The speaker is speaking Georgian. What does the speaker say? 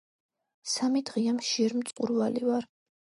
– სამი დღეა მშიერ-მწყურვალი ვარ!